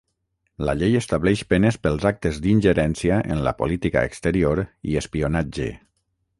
La llei estableix penes pels actes d'ingerència en la política exterior i espionatge.